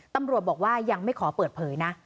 ตำรวจบอกว่ายังไม่ขอเปิดเผยนะ